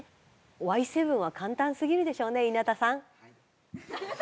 Ｙ７は簡単すぎるでしょうね稲田さん。